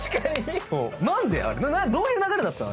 何で⁉どういう流れだったの？